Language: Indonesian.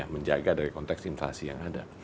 menjaga dari konteks inflasi yang ada